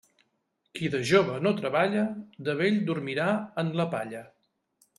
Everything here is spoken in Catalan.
Qui de jove no treballa, de vell dormirà en la palla.